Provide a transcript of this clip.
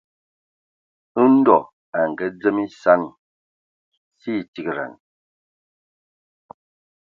Ndɔ a ngadzem esani, sie tigedan.